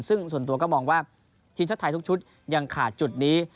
ซึ่งส่วนตัวก็มองว่าทีมชาติไทยทุกชุดยังขาดจุดนี้